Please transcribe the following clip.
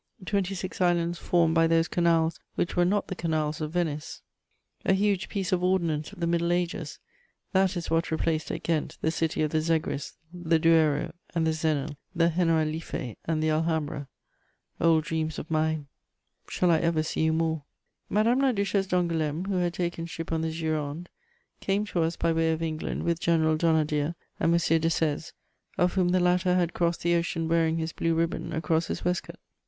twenty six islands formed by those canals, which were not the canals of Venice, a huge piece of ordnance of the middle ages: that is what replaced at Ghent the city of the Zegris, the Duero and the Xenil the Generalife and the Alhambra; old dreams of mine, shall I ever see you more? * [Sidenote: The Duchesse de Lévis.] Madame la Duchesse d'Angoulême, who had taken ship on the Gironde, came to us by way of England with General Donnadieu and M. Desèze, of whom the latter had crossed the ocean wearing his blue ribbon across his waistcoat.